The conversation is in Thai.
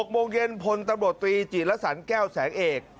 ๖โมงเย็นพลตำรวจตรีจิรสันแก้วแสงเอก